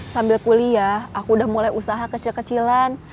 sambil kuliah aku udah mulai usaha kecil kecilan